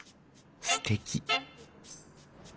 すてき！